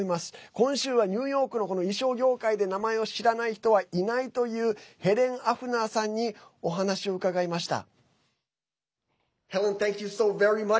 今週はニューヨークの衣装業界で名前を知らない人はいないというヘレン・アフナーさんにお話を伺いました。